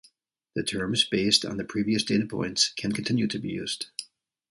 The terms based on the previous data points can continue to be used.